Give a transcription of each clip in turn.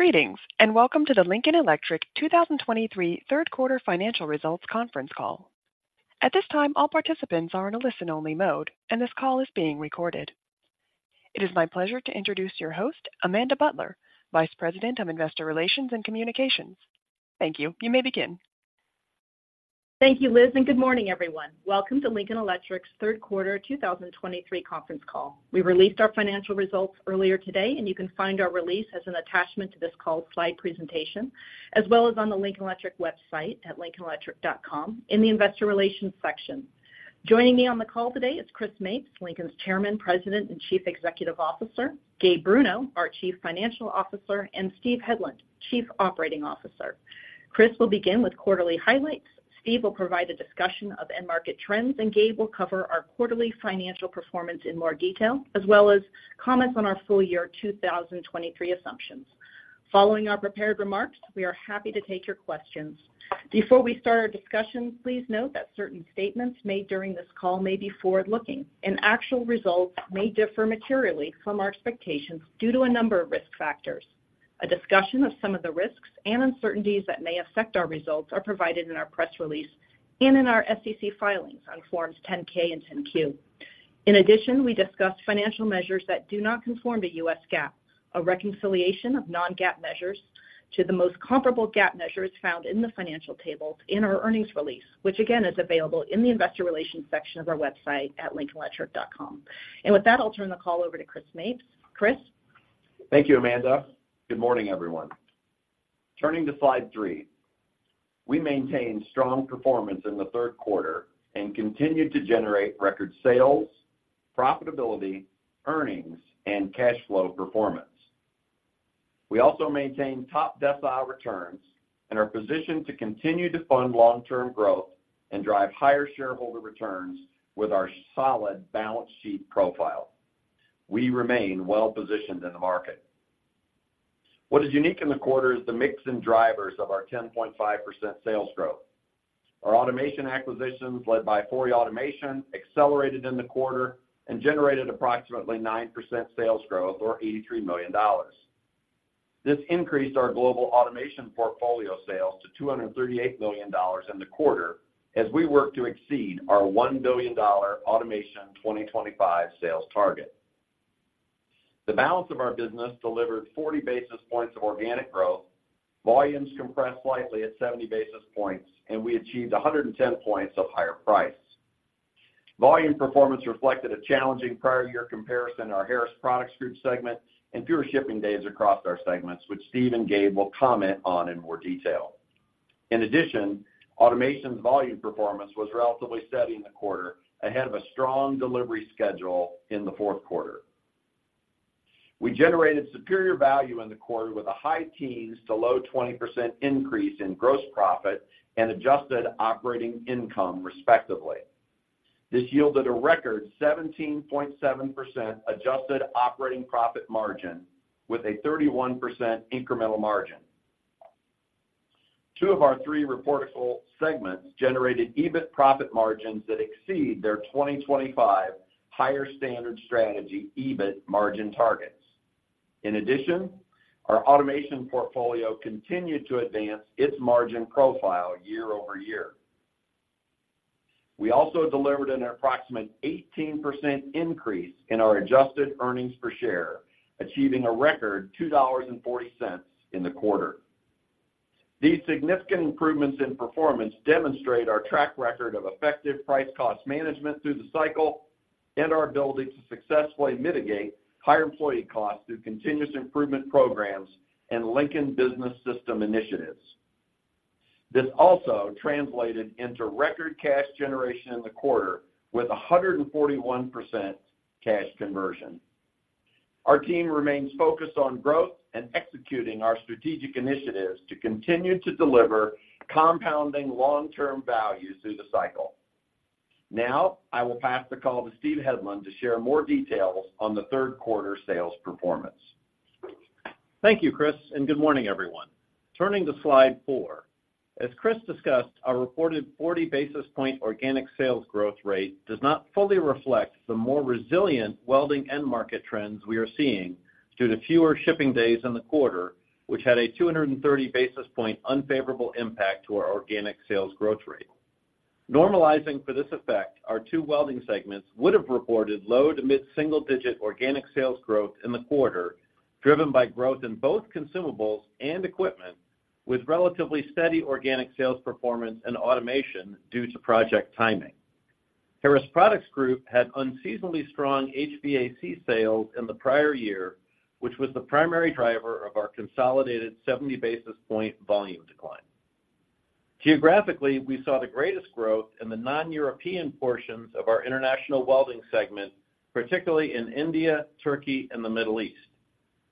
Greetings, and welcome to the Lincoln Electric 2023 third quarter financial results conference call. At this time, all participants are in a listen-only mode, and this call is being recorded. It is my pleasure to introduce your host, Amanda Butler, Vice President of Investor Relations and Communications. Thank you. You may begin. Thank you, Liz, and good morning, everyone. Welcome to Lincoln Electric's third quarter 2023 conference call. We released our financial results earlier today, and you can find our release as an attachment to this call slide presentation, as well as on the Lincoln Electric website at lincolnelectric.com in the Investor Relations section. Joining me on the call today is Chris Mapes, Lincoln's Chairman, President, and Chief Executive Officer, Gabe Bruno, our Chief Financial Officer, and Steve Hedlund, Chief Operating Officer. Chris will begin with quarterly highlights. Steve will provide a discussion of end market trends, and Gabe will cover our quarterly financial performance in more detail, as well as comments on our full year 2023 assumptions. Following our prepared remarks, we are happy to take your questions. Before we start our discussion, please note that certain statements made during this call may be forward-looking, and actual results may differ materially from our expectations due to a number of risk factors. A discussion of some of the risks and uncertainties that may affect our results are provided in our press release and in our SEC filings on Forms 10-K and Form 10-Q. In addition, we discussed financial measures that do not conform to U.S. GAAP, a reconciliation of non-GAAP measures to the most comparable GAAP measures found in the financial tables in our earnings release, which again, is available in the Investor Relations section of our website at lincolnelectric.com. And with that, I'll turn the call over to Chris Mapes. Chris? Thank you, Amanda. Good morning, everyone. Turning to slide 3. We maintained strong performance in the third quarter and continued to generate record sales, profitability, earnings, and cash flow performance. We also maintained top-decile returns and are positioned to continue to fund long-term growth and drive higher shareholder returns with our solid balance sheet profile. We remain well-positioned in the market. What is unique in the quarter is the mix and drivers of our 10.5% sales growth. Our automation acquisitions, led by Fori Automation, accelerated in the quarter and generated approximately 9% sales growth, or $83 million. This increased our global automation portfolio sales to $238 million in the quarter as we work to exceed our $1 billion automation 2025 sales target. The balance of our business delivered 40 basis points of organic growth. Volumes compressed slightly at 70 basis points, and we achieved 110 points of higher price. Volume performance reflected a challenging prior year comparison in our Harris Products Group segment and fewer shipping days across our segments, which Steve and Gabe will comment on in more detail. In addition, automation volume performance was relatively steady in the quarter, ahead of a strong delivery schedule in the fourth quarter. We generated superior value in the quarter with a high teens to low 20% increase in gross profit and adjusted operating income, respectively. This yielded a record 17.7% adjusted operating profit margin with a 31% incremental margin. Two of our three reportable segments generated EBIT profit margins that exceed their 2025 Higher Standard Strategy EBIT margin targets. In addition, our automation portfolio continued to advance its margin profile year-over-year. We also delivered an approximate 18% increase in our adjusted earnings per share, achieving a record $2.40 in the quarter. These significant improvements in performance demonstrate our track record of effective price-cost management through the cycle and our ability to successfully mitigate higher employee costs through continuous improvement programs and Lincoln Business System initiatives. This also translated into record cash generation in the quarter with 141% cash conversion. Our team remains focused on growth and executing our strategic initiatives to continue to deliver compounding long-term value through the cycle. Now, I will pass the call to Steve Hedlund to share more details on the third quarter sales performance. Thank you, Chris, and good morning, everyone. Turning to slide four. As Chris discussed, our reported 40 basis point organic sales growth rate does not fully reflect the more resilient welding end market trends we are seeing due to fewer shipping days in the quarter, which had a 230 basis point unfavorable impact to our organic sales growth rate. Normalizing for this effect, our two welding segments would have reported low- to mid-single-digit organic sales growth in the quarter, driven by growth in both consumables and equipment, with relatively steady organic sales performance and automation due to project timing. Harris Products Group had unseasonably strong HVAC sales in the prior year, which was the primary driver of our consolidated 70 basis point volume decline. Geographically, we saw the greatest growth in the non-European portions of our international welding segment, particularly in India, Turkey, and the Middle East.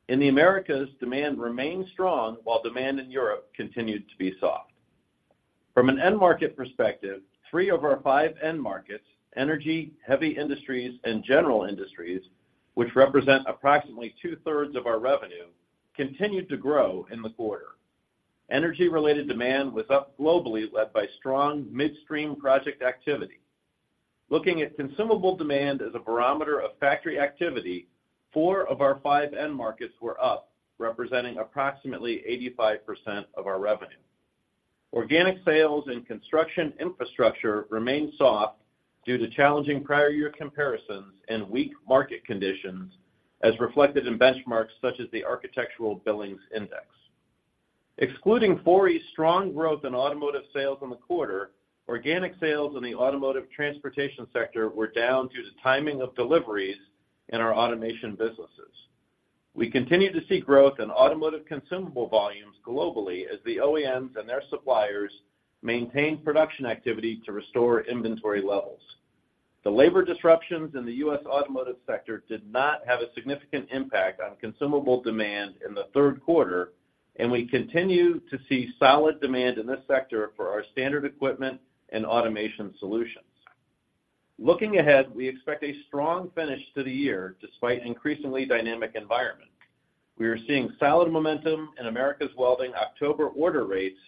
In the Americas, demand remained strong, while demand in Europe continued to be soft. From an end market perspective, three of our five end markets, energy, heavy industries, and general industries, which represent approximately 2/3 of our revenue, continued to grow in the quarter. Energy-related demand was up globally, led by strong midstream project activity. Looking at consumable demand as a barometer of factory activity, four of our five end markets were up, representing approximately 85% of our revenue. Organic sales and construction infrastructure remained soft due to challenging prior year comparisons and weak market conditions, as reflected in benchmarks such as the Architectural Billings Index. Excluding Fori's strong growth in automotive sales in the quarter, organic sales in the automotive transportation sector were down due to timing of deliveries in our automation businesses. We continue to see growth in automotive consumable volumes globally as the OEMs and their suppliers maintain production activity to restore inventory levels. The labor disruptions in the U.S. automotive sector did not have a significant impact on consumable demand in the third quarter, and we continue to see solid demand in this sector for our standard equipment and automation solutions. Looking ahead, we expect a strong finish to the year despite increasingly dynamic environment. We are seeing solid momentum in Americas Welding October order rates,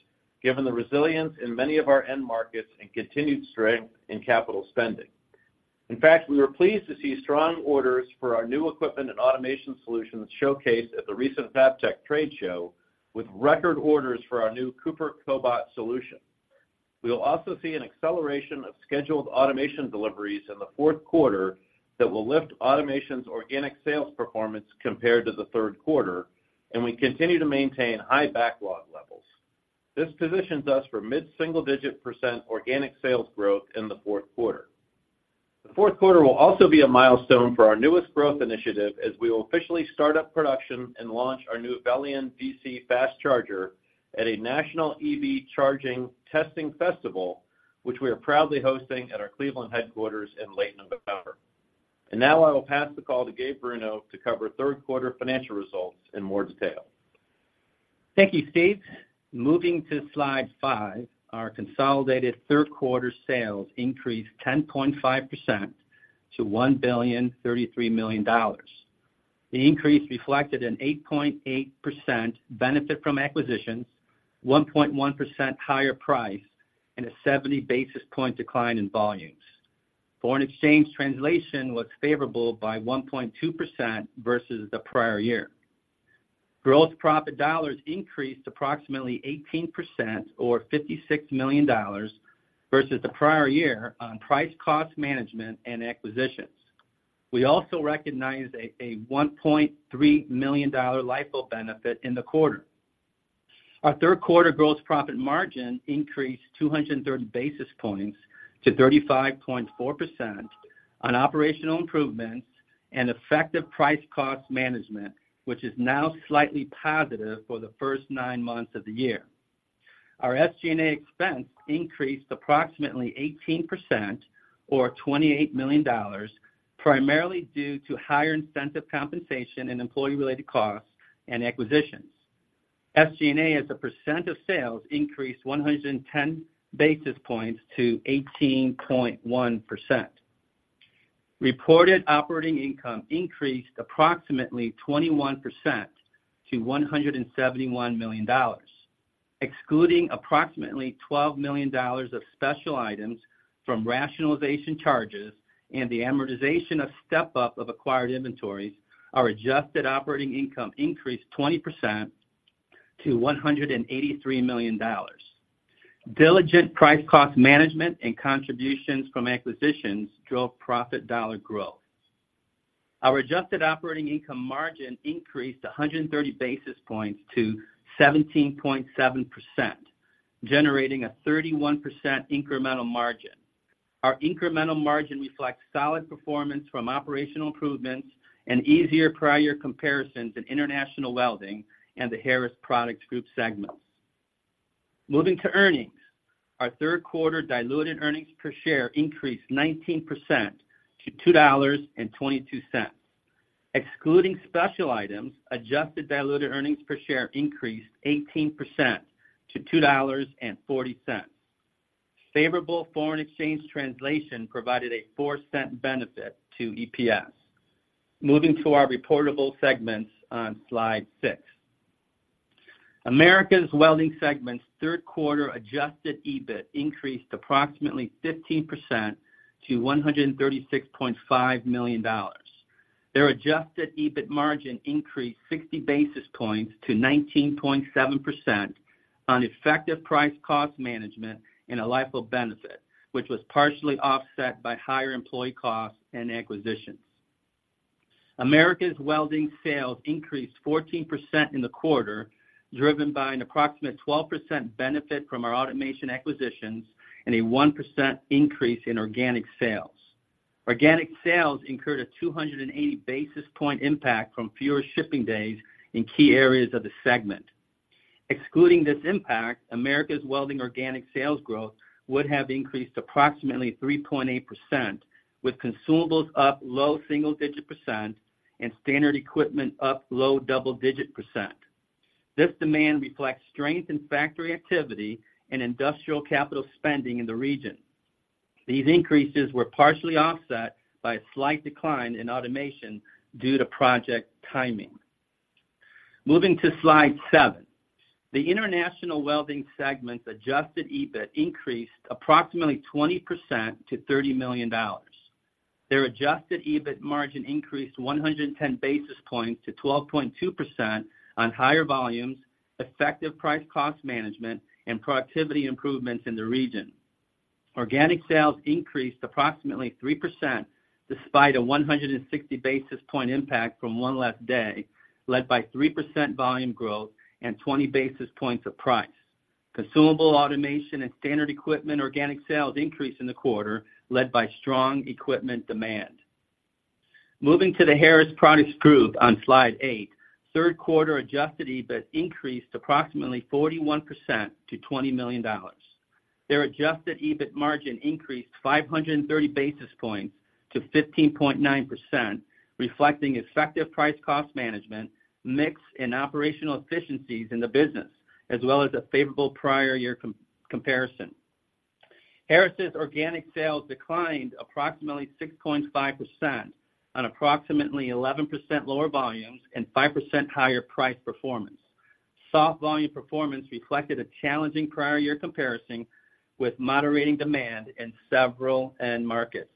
given the resilience in many of our end markets and continued strength in capital spending. In fact, we were pleased to see strong orders for our new equipment and automation solutions showcased at the recent FABTECH Trade Show, with record orders for our new Cooper Cobot solution. We will also see an acceleration of scheduled automation deliveries in the fourth quarter that will lift automation's organic sales performance compared to the third quarter, and we continue to maintain high backlog levels. This positions us for mid-single-digit percent organic sales growth in the fourth quarter. The fourth quarter will also be a milestone for our newest growth initiative, as we will officially start up production and launch our new Velion DC fast charger at a national EV charging testing festival, which we are proudly hosting at our Cleveland headquarters in late November. Now I will pass the call to Gabe Bruno to cover third quarter financial results in more detail. Thank you, Steve. Moving to slide five, our consolidated third quarter sales increased 10.5% to $1,033 million. The increase reflected an 8.8% benefit from acquisitions, 1.1% higher price, and a 70 basis point decline in volumes. Foreign exchange translation was favorable by 1.2% versus the prior year. Growth profit dollars increased approximately 18% or $56 million versus the prior year on price cost management and acquisitions. We also recognized a $1.3 million LIFO benefit in the quarter. Our third quarter gross profit margin increased 230 basis points to 35.4% on operational improvements and effective price cost management, which is now slightly positive for the first nine months of the year. Our SG&A expense increased approximately 18% or $28 million, primarily due to higher incentive compensation and employee-related costs and acquisitions. SG&A, as a percent of sales, increased 110 basis points to 18.1%. Reported operating income increased approximately 21% to $171 million. Excluding approximately $12 million of special items from rationalization charges and the amortization of step-up of acquired inventories, our adjusted operating income increased 20% to $183 million. Diligent price cost management and contributions from acquisitions drove profit dollar growth. Our adjusted operating income margin increased 130 basis points to 17.7%, generating a 31% incremental margin. Our incremental margin reflects solid performance from operational improvements and easier prior comparisons in international welding and the Harris Products Group segments. Moving to earnings. Our third quarter diluted earnings per share increased 19% to $2.22. Excluding special items, adjusted diluted earnings per share increased 18% to $2.40. Favorable foreign exchange translation provided a $0.04 benefit to EPS. Moving to our reportable segments on slide six. Americas Welding segment's third quarter adjusted EBIT increased approximately 15% to $136.5 million. Their adjusted EBIT margin increased 60 basis points to 19.7% on effective price cost management and a LIFO benefit, which was partially offset by higher employee costs and acquisitions. Americas Welding sales increased 14% in the quarter, driven by an approximate 12% benefit from our automation acquisitions and a 1% increase in organic sales. Organic sales incurred a 280 basis point impact from fewer shipping days in key areas of the segment. Excluding this impact, Americas Welding organic sales growth would have increased approximately 3.8%, with consumables up low single-digit percent and standard equipment up low double-digit percent. This demand reflects strength in factory activity and industrial capital spending in the region. These increases were partially offset by a slight decline in automation due to project timing. Moving to slide seven. The International Welding segment's adjusted EBIT increased approximately 20% to $30 million. Their adjusted EBIT margin increased 110 basis points to 12.2% on higher volumes, effective price cost management, and productivity improvements in the region. Organic sales increased approximately 3% despite a 160 basis point impact from one less day, led by 3% volume growth and 20 basis points of price. Consumable automation and standard equipment organic sales increased in the quarter, led by strong equipment demand. Moving to the Harris Products Group on slide eight, third quarter adjusted EBIT increased approximately 41% to $20 million. Their adjusted EBIT margin increased 530 basis points to 15.9%, reflecting effective price cost management, mix, and operational efficiencies in the business, as well as a favorable prior year comparison. Harris's organic sales declined approximately 6.5% on approximately 11% lower volumes and 5% higher price performance. Soft volume performance reflected a challenging prior year comparison, with moderating demand in several end markets.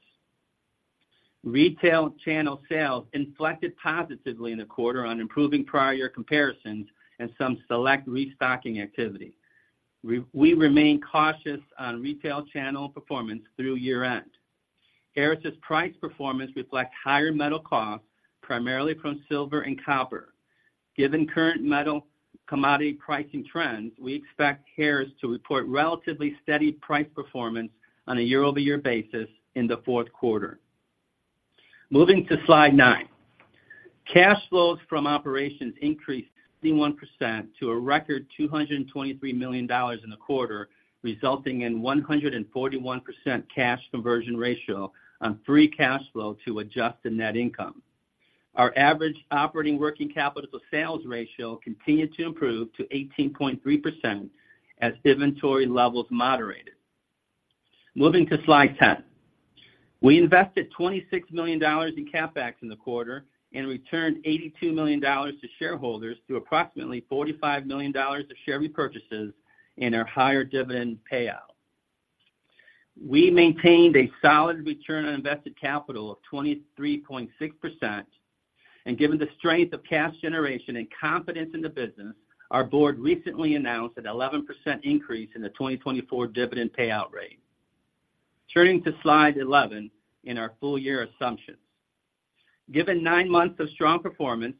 Retail channel sales inflected positively in the quarter on improving prior year comparisons and some select restocking activity. We remain cautious on retail channel performance through year-end. Harris's price performance reflects higher metal costs, primarily from silver and copper. Given current metal commodity pricing trends, we expect Harris to report relatively steady price performance on a year-over-year basis in the fourth quarter. Moving to slide nine. Cash flows from operations increased 61% to a record $223 million in the quarter, resulting in 141% cash conversion ratio on free cash flow to adjust to net income. Our average operating working capital to sales ratio continued to improve to 18.3% as inventory levels moderated. Moving to slide 10. We invested $26 million in CapEx in the quarter and returned $82 million to shareholders through approximately $45 million of share repurchases in our higher dividend payout. We maintained a solid return on invested capital of 23.6%, and given the strength of cash generation and confidence in the business, our board recently announced an 11% increase in the 2024 dividend payout rate. Turning to slide 11, in our full-year assumptions. Given nine months of strong performance,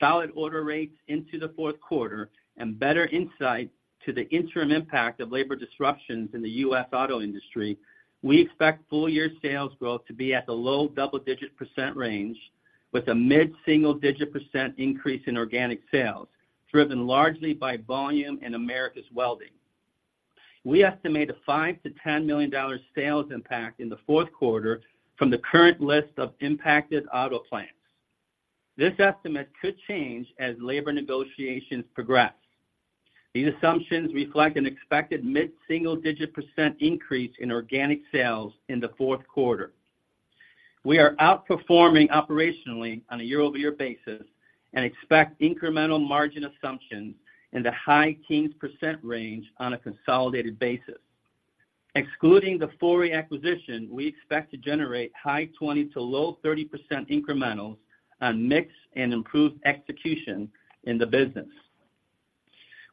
solid order rates into the fourth quarter, and better insight to the interim impact of labor disruptions in the U.S. auto industry, we expect full-year sales growth to be at the low double-digit percent range, with a mid-single digit percent increase in organic sales, driven largely by volume in Americas Welding. We estimate a $5 million-$10 million sales impact in the fourth quarter from the current list of impacted auto plants. This estimate could change as labor negotiations progress. These assumptions reflect an expected mid-single-digit percent increase in organic sales in the fourth quarter. We are outperforming operationally on a year-over-year basis and expect incremental margin assumptions in the high-teens percent range on a consolidated basis. Excluding the Fori acquisition, we expect to generate high 20s%-low 30s% incrementals on mix and improved execution in the business.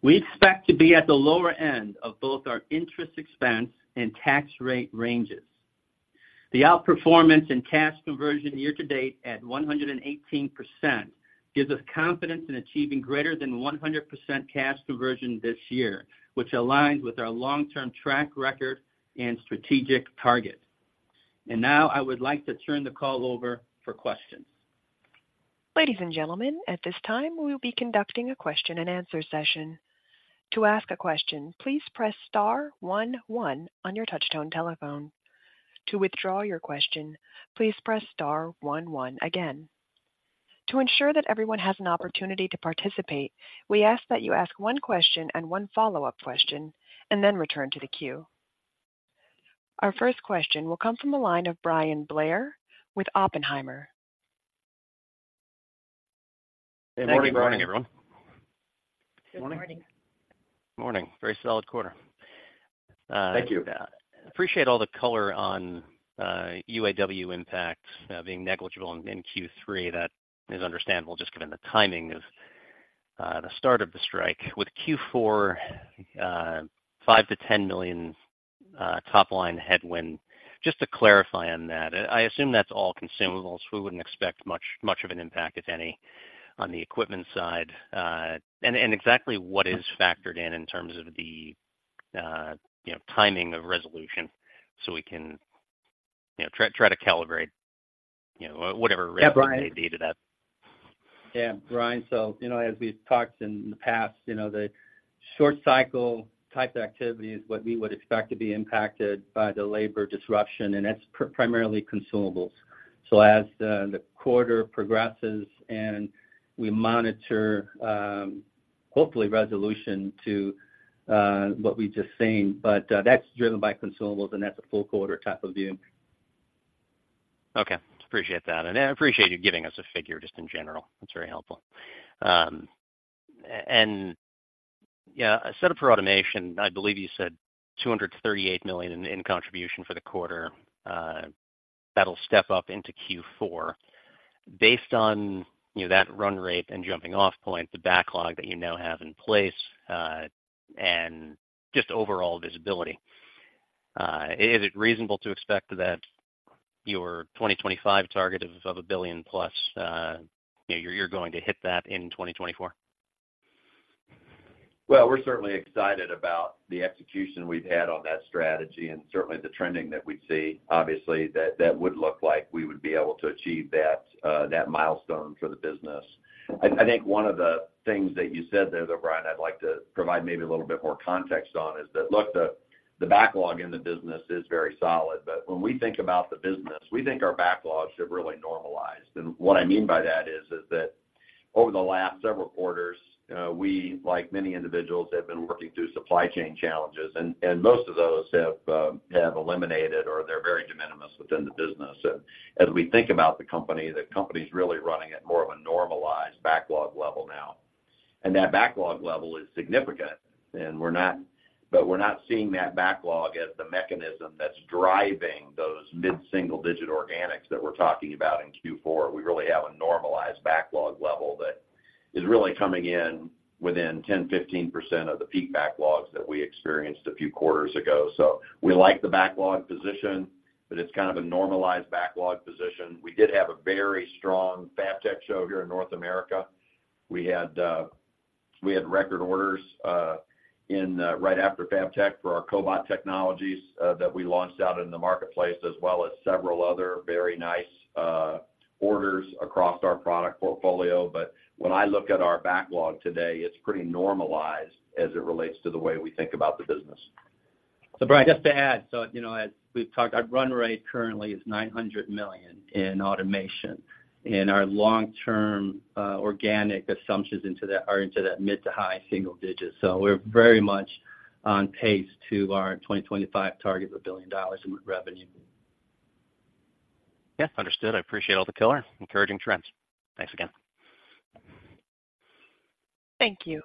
We expect to be at the lower end of both our interest expense and tax rate ranges. The outperformance in cash conversion year-to-date at 118%, gives us confidence in achieving greater than 100% cash conversion this year, which aligns with our long-term track record and strategic target. Now I would like to turn the call over for questions. Ladies and gentlemen, at this time, we will be conducting a question-and-answer session. To ask a question, please press star one, one on your touchtone telephone. To withdraw your question, please press star one, one again. To ensure that everyone has an opportunity to participate, we ask that you ask one question and one follow-up question, and then return to the queue. Our first question will come from the line of Bryan Blair with Oppenheimer. Good morning, Bryan. Good morning, everyone. Good morning. Good morning. Morning. Very solid quarter. Thank you. Appreciate all the color on UAW impacts being negligible in Q3. That is understandable, just given the timing of the start of the strike. With Q4, $5 million-$10 million top line headwind. Just to clarify on that, I assume that's all consumables. We wouldn't expect much of an impact, if any, on the equipment side. Exactly what is factored in terms of the, you know, timing of resolution, so we can, you know, try to calibrate, you know, whatever- Yeah, Bryan may be to that. Yeah, Bryan, so, you know, as we've talked in the past, you know, the short cycle type activity is what we would expect to be impacted by the labor disruption, and that's primarily consumables. So as the quarter progresses and we monitor, hopefully, resolution to what we've just seen, but that's driven by consumables, and that's a full quarter type of view. Okay, appreciate that, and I appreciate you giving us a figure just in general. That's very helpful. And, yeah, set up for automation, I believe you said $238 million in contribution for the quarter, that'll step up into Q4. Based on, you know, that run rate and jumping off point, the backlog that you now have in place, and just overall visibility, is it reasonable to expect that your 2025 target of $1 billion+, you know, you're going to hit that in 2024? Well, we're certainly excited about the execution we've had on that strategy and certainly the trending that we see. Obviously, that, that would look like we would be able to achieve that, that milestone for the business. I think one of the things that you said there, though, Bryan, I'd like to provide maybe a little bit more context on, is that, look, the, the backlog in the business is very solid, but when we think about the business, we think our backlogs have really normalized. And what I mean by that is, is that over the last several quarters, we, like many individuals, have been working through supply chain challenges, and most of those have, have eliminated, or they're very de minimis within the business. And as we think about the company, the company's really running at more of a normalized backlog level now. That backlog level is significant, and we're not, but we're not seeing that backlog as the mechanism that's driving those mid-single-digit organics that we're talking about in Q4. We really have a normalized backlog level that is really coming in within 10%, 15% of the peak backlogs that we experienced a few quarters ago. We like the backlog position, but it's kind of a normalized backlog position. We did have a very strong FABTECH show here in North America. We had record orders in right after FABTECH for our cobot technologies that we launched out in the marketplace, as well as several other very nice orders across our product portfolio. When I look at our backlog today, it's pretty normalized as it relates to the way we think about the business. So Bryan, just to add, so, you know, as we've talked, our run rate currently is $900 million in automation, and our long-term organic assumptions into that are into that mid- to high-single-digits. So we're very much on pace to our 2025 target of $1 billion in revenue. Yes, understood. I appreciate all the color. Encouraging trends. Thanks again. Thank you.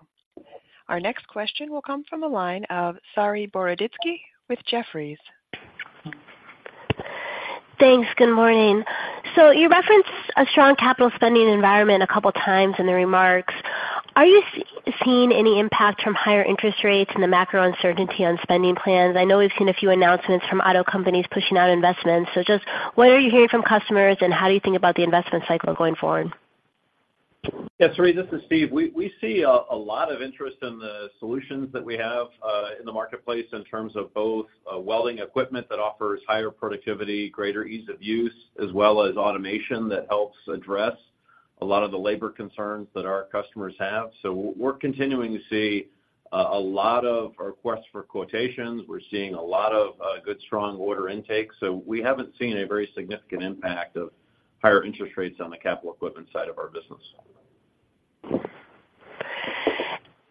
Our next question will come from the line of Saree Boroditsky with Jefferies. Thanks. Good morning. You referenced a strong capital spending environment a couple of times in the remarks. Are you seeing any impact from higher interest rates and the macro uncertainty on spending plans? I know we've seen a few announcements from auto companies pushing out investments. Just what are you hearing from customers, and how do you think about the investment cycle going forward? Yeah, Saree, this is Steve. We see a lot of interest in the solutions that we have in the marketplace in terms of both welding equipment that offers higher productivity, greater ease of use, as well as automation that helps address a lot of the labor concerns that our customers have. So we're continuing to see a lot of requests for quotations. We're seeing a lot of good, strong order intake, so we haven't seen a very significant impact of higher interest rates on the capital equipment side of our business.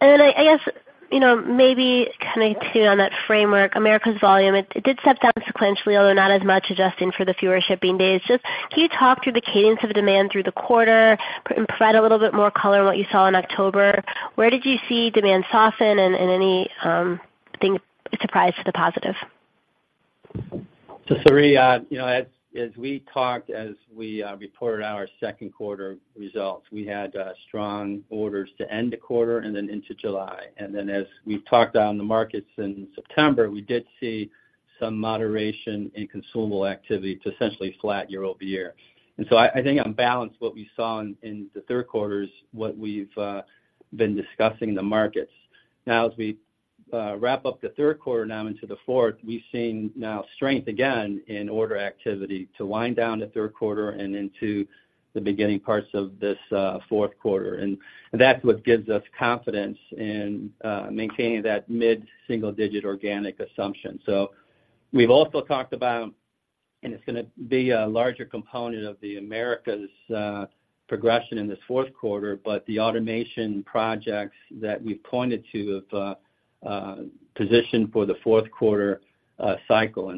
And then I guess, you know, maybe coming to you on that framework, Americas volume, it did step down sequentially, although not as much, adjusting for the fewer shipping days. Just can you talk through the cadence of demand through the quarter and provide a little bit more color on what you saw in October? Where did you see demand soften and any things surprise to the positive? So Saree, you know, as we talked, as we reported our second quarter results, we had strong orders to end the quarter and then into July. And then as we've talked down the markets in September, we did see some moderation in consumable activity to essentially flat year-over-year. And so I think on balance, what we saw in the third quarter is what we've been discussing the markets. Now as we wrap up the third quarter now into the fourth, we've seen now strength again in order activity to wind down the third quarter and into the beginning parts of this fourth quarter. And that's what gives us confidence in maintaining that mid-single digit organic assumption. We've also talked about, and it's gonna be a larger component of the Americas progression in this fourth quarter, but the automation projects that we've pointed to have positioned for the fourth quarter cycle.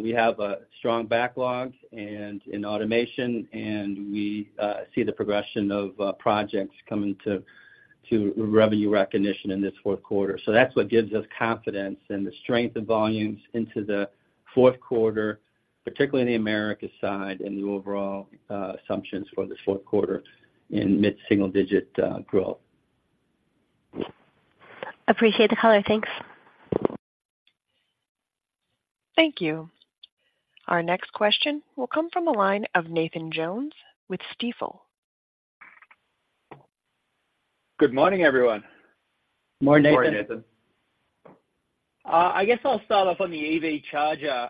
We have a strong backlog in automation, and we see the progression of projects coming to revenue recognition in this fourth quarter. That's what gives us confidence in the strength of volumes into the fourth quarter, particularly in the Americas side and the overall assumptions for the fourth quarter in mid-single digit growth. Appreciate the color. Thanks. Thank you. Our next question will come from the line of Nathan Jones with Stifel. Good morning, everyone. Good morning, Nathan. Good morning, Nathan. I guess I'll start off on the EV charger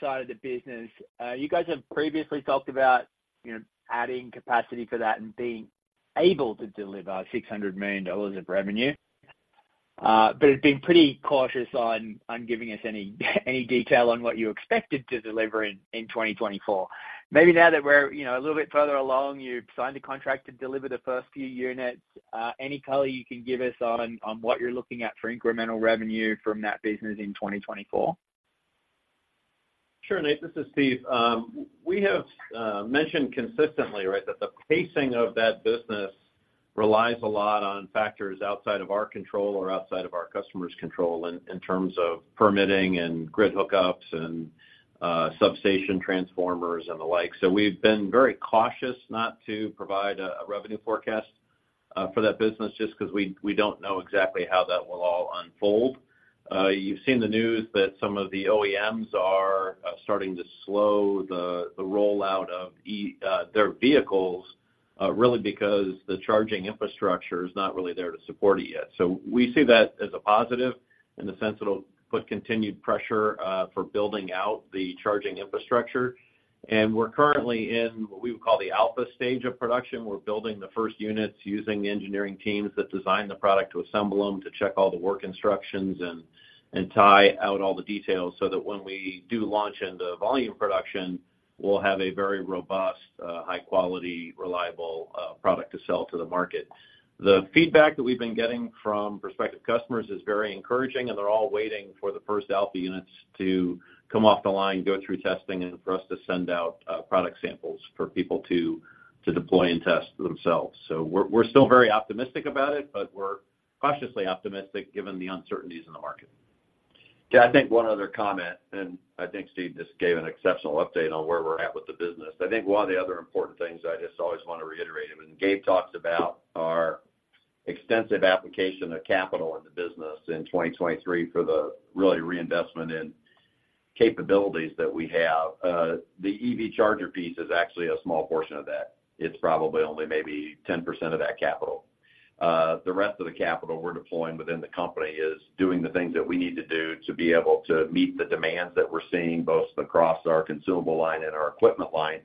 side of the business. You guys have previously talked about, you know, adding capacity for that and being able to deliver $600 million of revenue, but have been pretty cautious on giving us any detail on what you expected to deliver in 2024. maybe now that we're, you know, a little bit further along, you've signed a contract to deliver the first few units, any color you can give us on, on what you're looking at for incremental revenue from that business in 2024? Sure, Nate, this is Steve. We have mentioned consistently, right, that the pacing of that business relies a lot on factors outside of our control or outside of our customer's control in terms of permitting and grid hookups and substation transformers and the like. So we've been very cautious not to provide a revenue forecast for that business just 'cause we don't know exactly how that will all unfold. You've seen in the news that some of the OEMs are starting to slow the rollout of their vehicles really because the charging infrastructure is not really there to support it yet. So we see that as a positive in the sense it'll put continued pressure for building out the charging infrastructure. And we're currently in what we would call the alpha stage of production. We're building the first units using the engineering teams that design the product to assemble them, to check all the work instructions and tie out all the details so that when we do launch into volume production, we'll have a very robust, high quality, reliable product to sell to the market. The feedback that we've been getting from prospective customers is very encouraging, and they're all waiting for the first alpha units to come off the line, go through testing, and for us to send out product samples for people to deploy and test themselves. So we're still very optimistic about it, but we're cautiously optimistic given the uncertainties in the market. Yeah, I think one other comment, and I think Steve just gave an exceptional update on where we're at with the business. I think one of the other important things I just always want to reiterate, and Gabe talks about our extensive application of capital in the business in 2023 for the really reinvestment in capabilities that we have. The EV charger piece is actually a small portion of that. It's probably only maybe 10% of that capital. The rest of the capital we're deploying within the company is doing the things that we need to do to be able to meet the demands that we're seeing, both across our consumable line and our equipment line,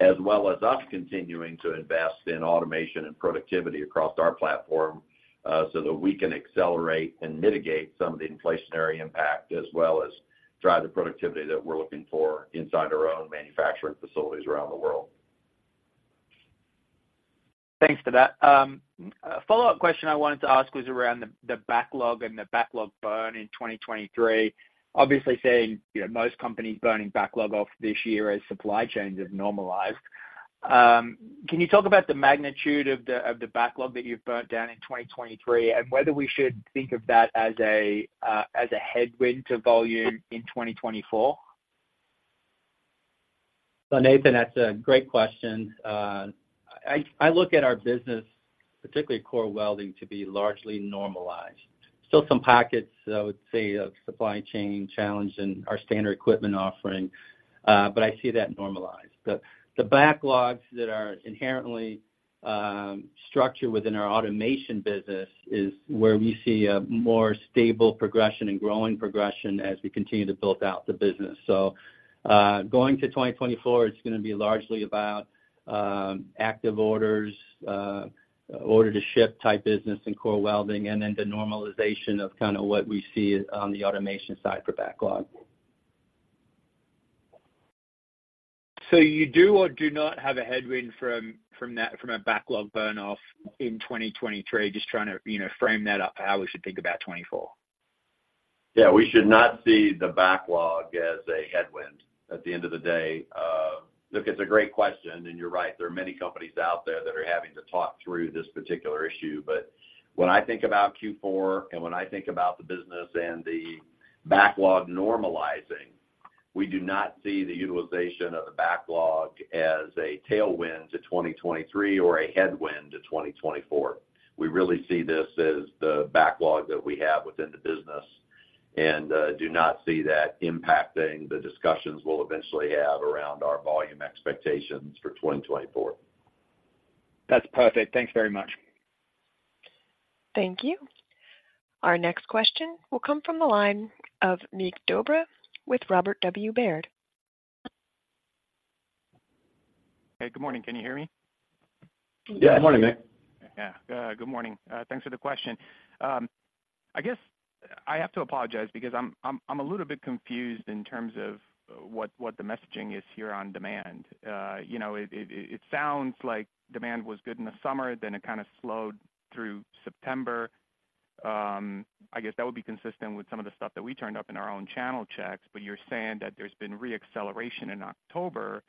as well as us continuing to invest in automation and productivity across our platform, so that we can accelerate and mitigate some of the inflationary impact, as well as drive the productivity that we're looking for inside our own manufacturing facilities around the world. Thanks for that. A follow-up question I wanted to ask was around the backlog and the backlog burn in 2023. Obviously, seeing, you know, most companies burning backlog off this year as supply chains have normalized. Can you talk about the magnitude of the backlog that you've burnt down in 2023, and whether we should think of that as a headwind to volume in 2024? So Nathan, that's a great question. I look at our business, particularly core welding, to be largely normalized. Still some pockets, I would say, of supply chain challenge in our standard equipment offering, but I see that normalized. The backlogs that are inherently structured within our automation business is where we see a more stable progression and growing progression as we continue to build out the business. So, going to 2024, it's gonna be largely about active orders, order to ship type business in core welding, and then the normalization of kind of what we see on the automation side for backlog. So you do or do not have a headwind from that—from a backlog burn off in 2023? Just trying to, you know, frame that up, how we should think about 2024. Yeah, we should not see the backlog as a headwind at the end of the day. Look, it's a great question, and you're right, there are many companies out there that are having to talk through this particular issue. But when I think about Q4 and when I think about the business and the backlog normalizing, we do not see the utilization of the backlog as a tailwind to 2023 or a headwind to 2024. We really see this as the backlog that we have within the business and do not see that impacting the discussions we'll eventually have around our volume expectations for 2024. That's perfect. Thanks very much. Thank you. Our next question will come from the line of Mircea Dobre with Robert W. Baird. Hey, good morning. Can you hear me? Yeah, good morning, Mircea. Yeah, good morning. Thanks for the question. I guess I have to apologize because I'm a little bit confused in terms of what the messaging is here on demand. You know, it sounds like demand was good in the summer, then it kind of slowed through September. I guess that would be consistent with some of the stuff that we turned up in our own channel checks, but you're saying that there's been reacceleration in October,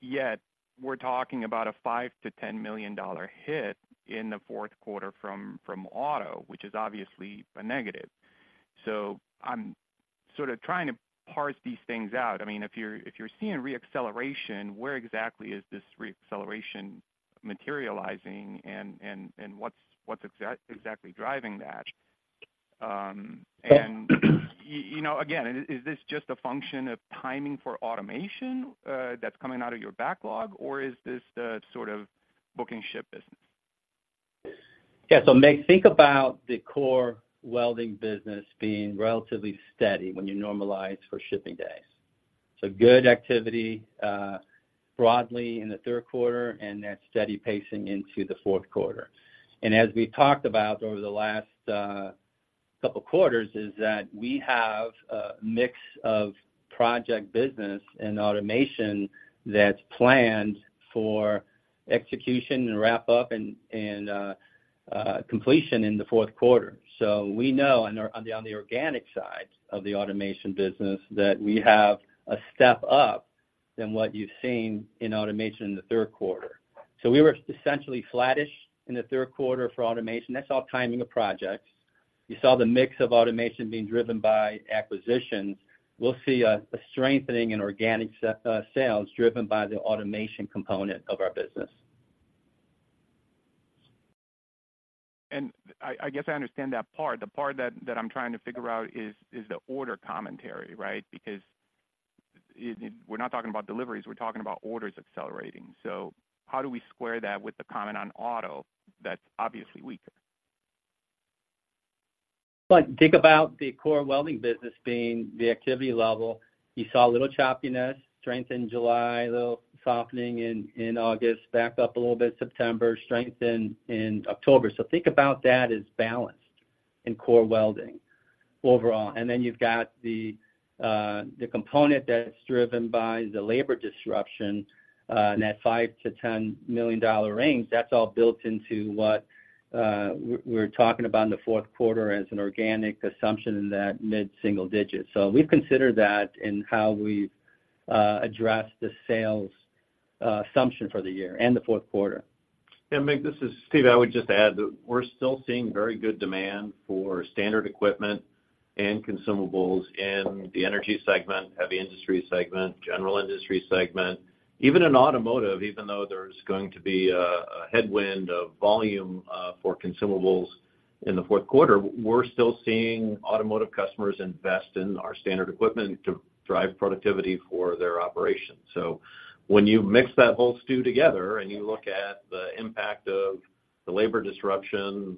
yet we're talking about a $5 million-$10 million hit in the fourth quarter from auto, which is obviously a negative. So I'm sort of trying to parse these things out. I mean, if you're seeing reacceleration, where exactly is this reacceleration materializing, and what's exactly driving that? You know, again, is this just a function of timing for automation, that's coming out of your backlog, or is this the sort of book and ship business? Yeah. So, Mircea, think about the core welding business being relatively steady when you normalize for shipping days. So good activity, broadly in the third quarter, and that's steady pacing into the fourth quarter. And as we've talked about over the last couple quarters is that we have a mix of project business and automation that's planned for execution and wrap up and completion in the fourth quarter. So we know on the organic side of the automation business, that we have a step up than what you've seen in automation in the third quarter. So we were essentially flattish in the third quarter for automation. That's all timing of projects. You saw the mix of automation being driven by acquisitions. We'll see a strengthening in organic sales driven by the automation component of our business. I guess I understand that part. The part that I'm trying to figure out is the order commentary, right? Because we're not talking about deliveries, we're talking about orders accelerating. So how do we square that with the comment on auto that's obviously weaker? But think about the core welding business being the activity level. You saw a little choppiness, strength in July, a little softening in August, back up a little bit September, strength in October. So think about that as balanced in core welding overall. And then you've got the component that's driven by the labor disruption in that $5 million-$10 million range. That's all built into what we're talking about in the fourth quarter as an organic assumption in that mid-single digit. So we've considered that in how we've addressed the sales assumption for the year and the fourth quarter. Yeah, Mircea, this is Steve. I would just add that we're still seeing very good demand for standard equipment and consumables in the energy segment, heavy industry segment, general industry segment. Even in automotive, even though there's going to be a headwind of volume for consumables in the fourth quarter, we're still seeing automotive customers invest in our standard equipment to drive productivity for their operations. So when you mix that whole stew together, and you look at the impact of the labor disruption,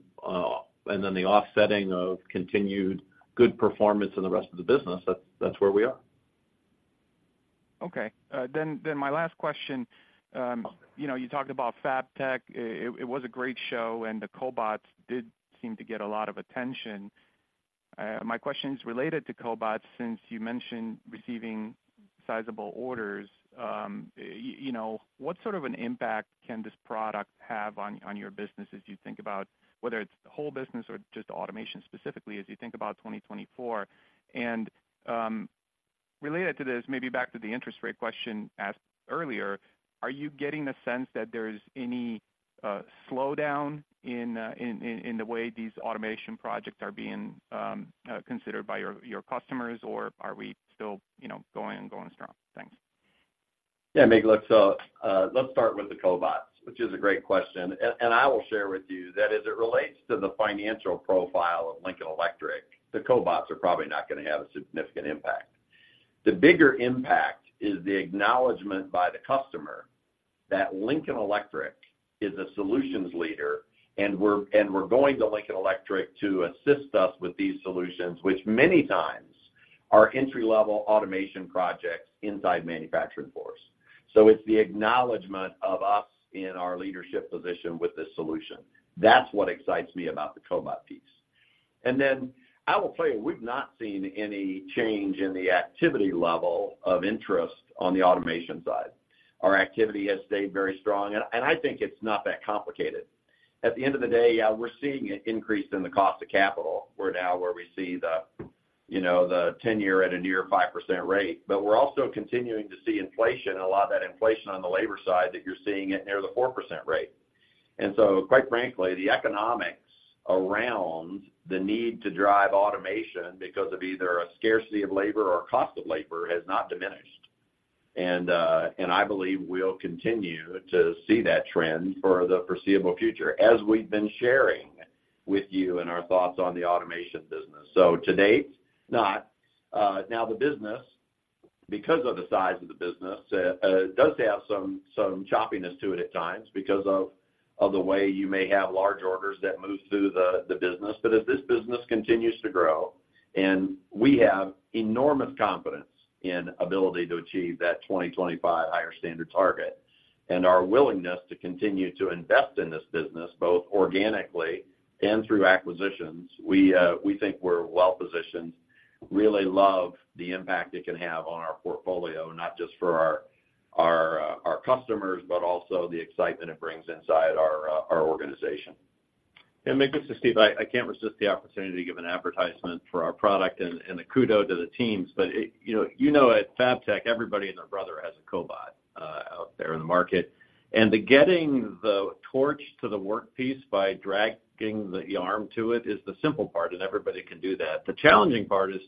and then the offsetting of continued good performance in the rest of the business, that's where we are. Okay. Then my last question, you know, you talked about FABTECH. It was a great show, and the cobots did seem to get a lot of attention. My question is related to cobots, since you mentioned receiving sizable orders. You know, what sort of an impact can this product have on your business as you think about whether it's the whole business or just automation specifically, as you think about 2024? And, related to this, maybe back to the interest rate question asked earlier, are you getting the sense that there's any slowdown in the way these automation projects are being considered by your customers, or are we still, you know, going and going strong? Thanks. Yeah, Mircea, look, so let's start with the cobots, which is a great question. And I will share with you that as it relates to the financial profile of Lincoln Electric, the cobots are probably not gonna have a significant impact. The bigger impact is the acknowledgment by the customer that Lincoln Electric is a solutions leader, and we're going to Lincoln Electric to assist us with these solutions, which many times are entry-level automation projects inside manufacturing floors. So it's the acknowledgment of us in our leadership position with this solution. That's what excites me about the cobot piece. And then I will tell you, we've not seen any change in the activity level of interest on the automation side. Our activity has stayed very strong, and I think it's not that complicated. At the end of the day, yeah, we're seeing an increase in the cost of capital. We're now where we see the, you know, the 10-year at a near 5% rate. But we're also continuing to see inflation, and a lot of that inflation on the labor side, that you're seeing it near the 4% rate. And so, quite frankly, the economics around the need to drive automation because of either a scarcity of labor or cost of labor, has not diminished. And, and I believe we'll continue to see that trend for the foreseeable future, as we've been sharing with you in our thoughts on the automation business. To date, not now, the business, because of the size of the business, does have some choppiness to it at times because of the way you may have large orders that move through the business. As this business continues to grow, and we have enormous confidence in ability to achieve that 2025 Higher Standard target, and our willingness to continue to invest in this business, both organically and through acquisitions, we think we're well positioned. Really love the impact it can have on our portfolio, not just for our customers, but also the excitement it brings inside our organization. Yeah, Mircea, this is Steve. I can't resist the opportunity to give an advertisement for our product and a kudo to the teams. But, you know, at FABTECH, everybody and their brother has a cobot out there in the market. And the getting the torch to the work piece by dragging the arm to it is the simple part, and everybody can do that. The challenging part is,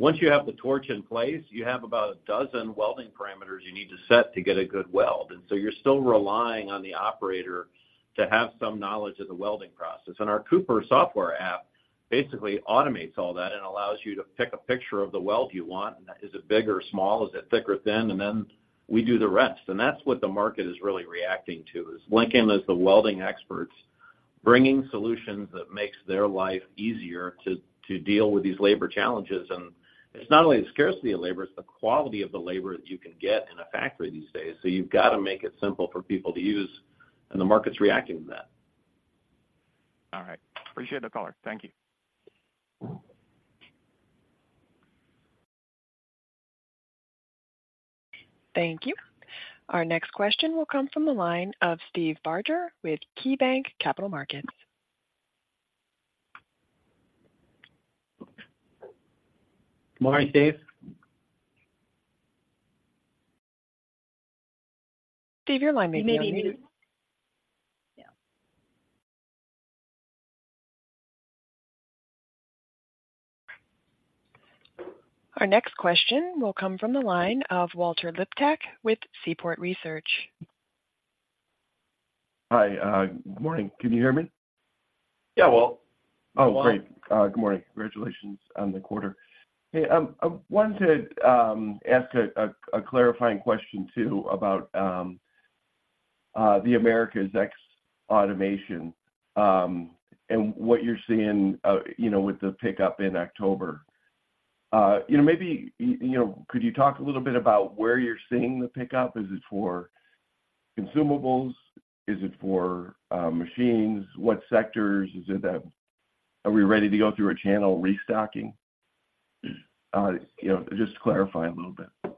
once you have the torch in place, you have about a dozen welding parameters you need to set to get a good weld. And so you're still relying on the operator to have some knowledge of the welding process. And our Cooper software app basically automates all that and allows you to pick a picture of the weld you want. Is it big or small? Is it thick or thin? And then we do the rest, and that's what the market is really reacting to, is Lincoln as the welding experts, bringing solutions that makes their life easier to, to deal with these labor challenges. And it's not only the scarcity of labor, it's the quality of the labor that you can get in a factory these days. So you've got to make it simple for people to use and the market's reacting to that. All right. Appreciate the color. Thank you. Thank you. Our next question will come from the line of Steve Barger with KeyBanc Capital Markets. Morning, Steve. Steve, your line may be on mute. You may be muted. Yeah. Our next question will come from the line of Walter Liptak with Seaport Research. Hi, good morning. Can you hear me? Yeah, Walt. Oh, great. Good morning. Congratulations on the quarter. Hey, I wanted to ask a clarifying question, too, about the Americas ex automation, and what you're seeing, you know, with the pickup in October. You know, maybe you know, could you talk a little bit about where you're seeing the pickup? Is it for consumables? Is it for machines? What sectors is it that. Are we ready to go through a channel restocking? You know, just to clarify a little bit.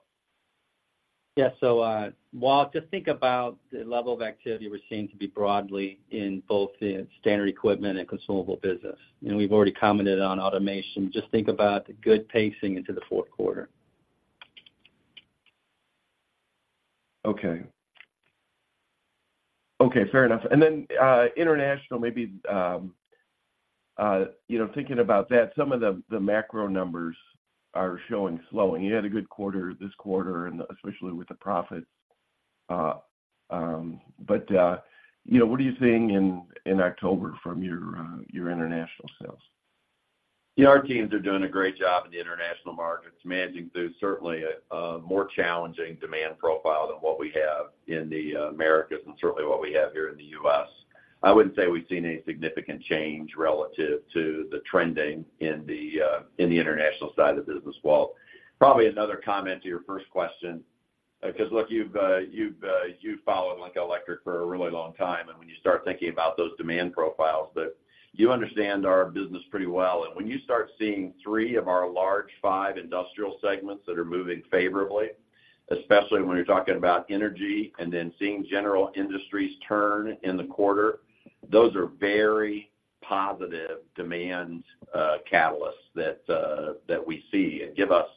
Yeah. So, Walt, just think about the level of activity we're seeing to be broadly in both the standard equipment and consumable business. And we've already commented on automation. Just think about the good pacing into the fourth quarter. Okay. Okay, fair enough. And then international, maybe you know, thinking about that, some of the macro numbers are showing slowing. You had a good quarter this quarter, and especially with the profit. But you know, what are you seeing in October from your international sales? Yeah, our teams are doing a great job in the international markets, managing through certainly a more challenging demand profile than what we have in the Americas and certainly what we have here in the U.S. I wouldn't say we've seen any significant change relative to the trending in the international side of the business, Walt. Probably another comment to your first question, because, look, you've followed Lincoln Electric for a really long time, and when you start thinking about those demand profiles, that you understand our business pretty well. When you start seeing three of our large five industrial segments that are moving favorably, especially when you're talking about energy and then seeing general industries turn in the quarter, those are very positive demand catalysts that we see and give us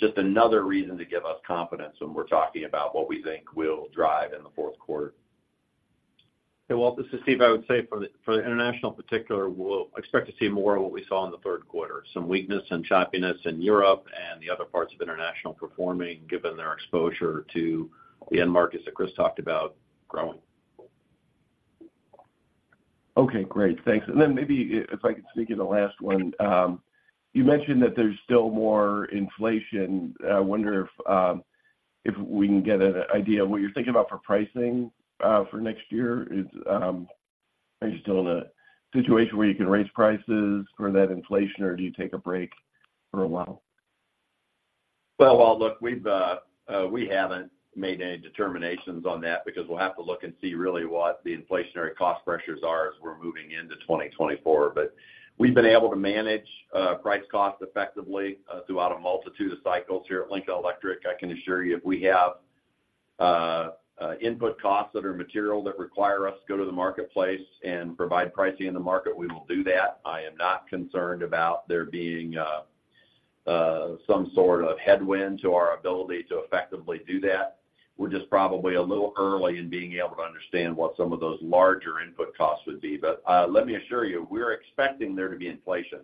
just another reason to give us confidence when we're talking about what we think will drive in the fourth quarter. Hey, Walt, this is Steve. I would say for the international particular, we'll expect to see more of what we saw in the third quarter, some weakness and choppiness in Europe and the other parts of international performing, given their exposure to the end markets that Chris talked about growing. Okay, great. Thanks. And then maybe if I could sneak in the last one. You mentioned that there's still more inflation. I wonder if we can get an idea of what you're thinking about for pricing for next year. Are you still in a situation where you can raise prices for that inflation, or do you take a break for a while? Well, Walt, look, we've we haven't made any determinations on that because we'll have to look and see really what the inflationary cost pressures are as we're moving into 2024. But we've been able to manage price costs effectively throughout a multitude of cycles here at Lincoln Electric. I can assure you, if we have input costs that are material that require us to go to the marketplace and provide pricing in the market, we will do that. I am not concerned about there being some sort of headwind to our ability to effectively do that. We're just probably a little early in being able to understand what some of those larger input costs would be. But, let me assure you, we're expecting there to be inflation,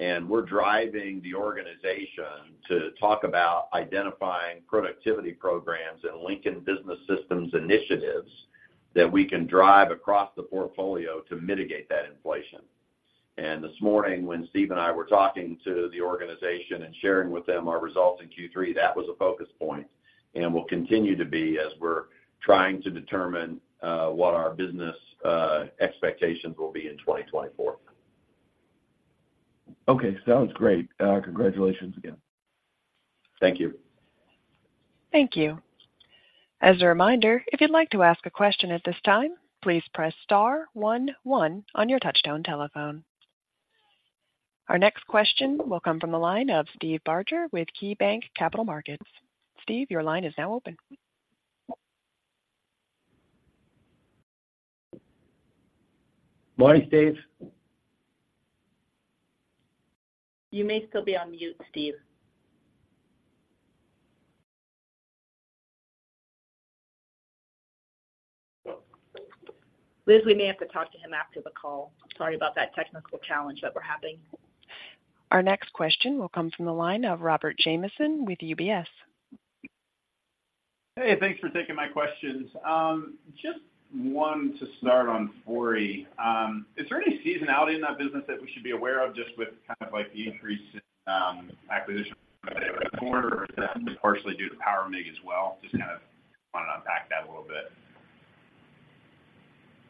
and we're driving the organization to talk about identifying productivity programs and Lincoln Business Systems initiatives that we can drive across the portfolio to mitigate that inflation. And this morning, when Steve and I were talking to the organization and sharing with them our results in Q3, that was a focus point and will continue to be as we're trying to determine what our business expectations will be in 2024. Okay, sounds great. Congratulations again. Thank you. Thank you. As a reminder, if you'd like to ask a question at this time, please press star one one on your touchtone telephone. Our next question will come from the line of Steve Barger with KeyBanc Capital Markets. Steve, your line is now open. Morning, Steve. You may still be on mute, Steve. Liz, we may have to talk to him after the call. Sorry about that technical challenge that we're having. Our next question will come from the line of Robert Jamieson with UBS. Hey, thanks for taking my questions. Just one to start on Fori. Is there any seasonality in that business that we should be aware of just with kind of, like, the increase in acquisition quarter, or is that partially due to POWER MIG as well? Just kind of want to unpack that a little bit.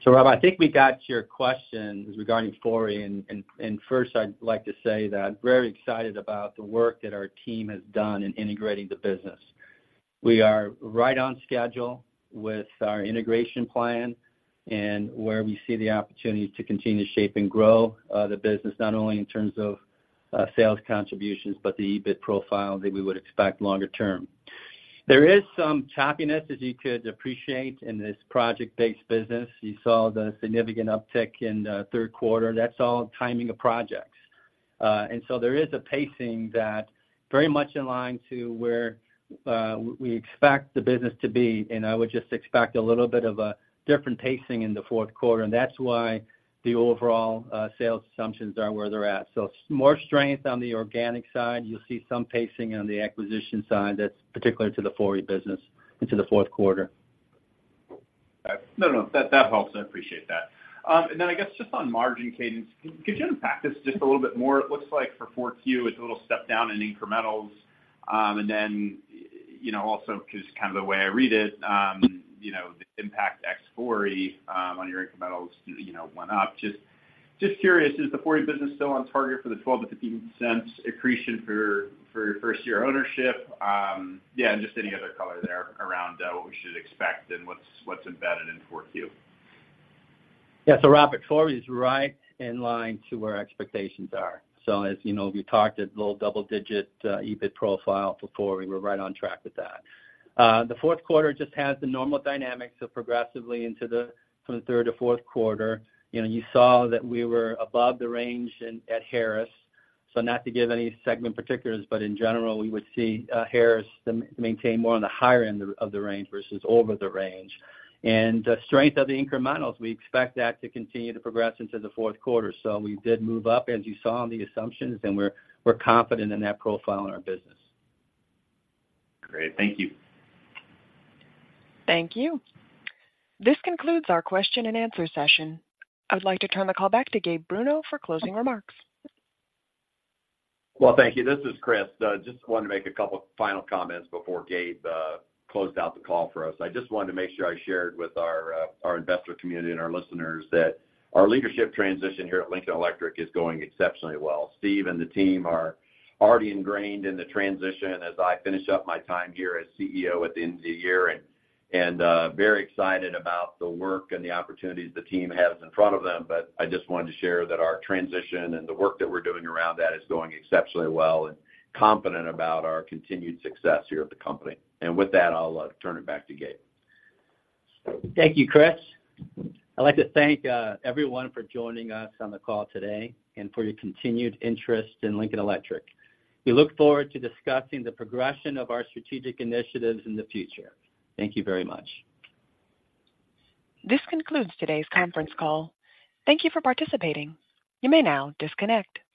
So, Rob, I think we got to your question regarding Fori, and first, I'd like to say that very excited about the work that our team has done in integrating the business. We are right on schedule with our integration plan and where we see the opportunity to continue to shape and grow the business, not only in terms of sales contributions, but the EBIT profile that we would expect longer term. There is some choppiness, as you could appreciate, in this project-based business. You saw the significant uptick in the third quarter. That's all timing of projects. And so there is a pacing that very much in line to where we expect the business to be, and I would just expect a little bit of a different pacing in the fourth quarter, and that's why the overall sales assumptions are where they're at. So more strength on the organic side. You'll see some pacing on the acquisition side that's particular to the Fori business into the fourth quarter. No, no, that, that helps. I appreciate that. And then I guess just on margin cadence, could you unpack this just a little bit more? It looks like for 4Q, it's a little step down in incrementals, and then, you know, also, because kind of the way I read it, you know, the impact ex Fori, on your incrementals, you know, went up. Just curious, is the Fori business still on target for the $0.12-$0.15 accretion for your first year ownership? Yeah, and just any other color there around, what we should expect and what's embedded in 4Q. Yeah. So, Rob, Fori is right in line to where expectations are. So as you know, we talked a little double-digit, EBIT profile before, we were right on track with that. The fourth quarter just has the normal dynamics of progressively into the, from the third to fourth quarter. You know, you saw that we were above the range in- at Harris, so not to give any segment particulars, but in general, we would see, Harris maintain more on the higher end of, of the range versus over the range. And the strength of the incrementals, we expect that to continue to progress into the fourth quarter. So we did move up, as you saw in the assumptions, and we're, we're confident in that profile in our business. Great. Thank you. Thank you. This concludes our question and answer session. I'd like to turn the call back to Gabe Bruno for closing remarks. Well, thank you. This is Chris. Just wanted to make a couple final comments before Gabe closed out the call for us. I just wanted to make sure I shared with our investor community and our listeners that our leadership transition here at Lincoln Electric is going exceptionally well. Steve and the team are already ingrained in the transition as I finish up my time here as CEO at the end of the year, and very excited about the work and the opportunities the team has in front of them. But I just wanted to share that our transition and the work that we're doing around that is going exceptionally well, and confident about our continued success here at the company. And with that, I'll turn it back to Gabe. Thank you, Chris. I'd like to thank everyone for joining us on the call today and for your continued interest in Lincoln Electric. We look forward to discussing the progression of our strategic initiatives in the future. Thank you very much. This concludes today's conference call. Thank you for participating. You may now disconnect.